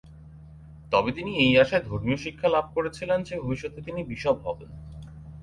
তবে তিনি এই আশায় ধর্মীয় শিক্ষা লাভ করেছিলেন যে ভবিষ্যতে তিনি বিশপ হবেন।